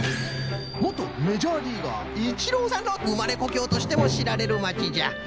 もとメジャーリーガーイチローさんのうまれこきょうとしてもしられるまちじゃ。